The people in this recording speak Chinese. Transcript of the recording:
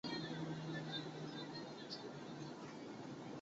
他们是乌克兰希腊礼天主教会教徒。